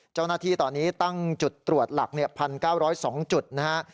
เจ้าหน้าที่ตอนนี้ตั้งจุดตรวจหลัก๑๙๐๒จุดนะฮะ